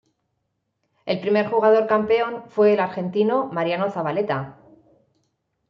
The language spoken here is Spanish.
El primer jugador campeón fue el argentino Mariano Zabaleta.